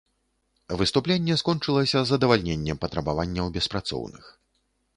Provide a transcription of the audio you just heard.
Выступленне скончылася задавальненнем патрабаванняў беспрацоўных.